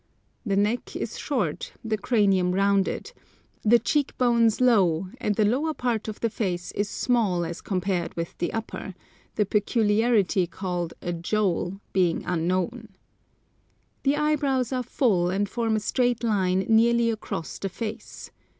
The neck is short, the cranium rounded, the cheek bones low, and the lower part of the face is small as compared with the upper, the peculiarity called a "jowl" being unknown. The eyebrows are full, and form a straight line nearly across the face.